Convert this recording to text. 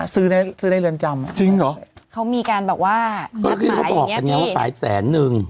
ซื้อได้เรือนจำจริงเหรอเขามีการแบบว่าบอกกันไงว่าฝ่ายแสนหนึ่ง